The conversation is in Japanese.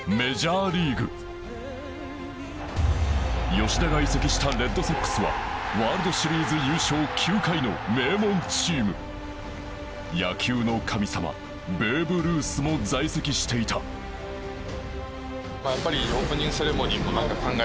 吉田が移籍したレッドソックスはワールドシリーズ優勝９回の名門チーム野球の神様ベーブ・ルースも在籍していたやっぱりオープニングセレモニーもなんか感慨